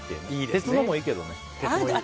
鉄のもいいけどね。